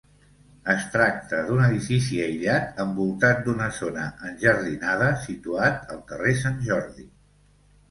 Es tracta d'un edifici aïllat, envoltat d'una zona enjardinada, situat al carrer Sant Jordi.